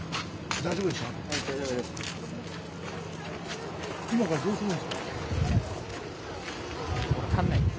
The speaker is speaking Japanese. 大丈夫です。